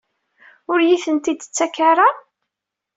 Ur iyi-ten-id-tettak ara?